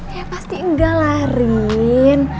ya pasti enggak lah rin